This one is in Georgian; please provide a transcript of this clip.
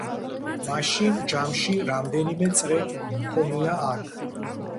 მაშინ ჯამში რამდენი წრე გვქონია აქ.